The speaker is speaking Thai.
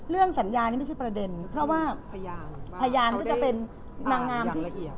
เรื่องสัญญานี้ไม่ใช่ประเด็นเพราะว่าพยานก็จะเป็นนางงามที่